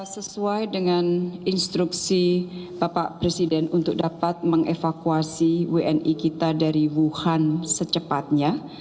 sesuai dengan instruksi bapak presiden untuk dapat mengevakuasi wni kita dari wuhan secepatnya